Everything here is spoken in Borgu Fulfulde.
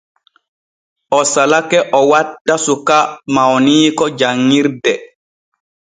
O salake o watta suka mawniiko janŋirde.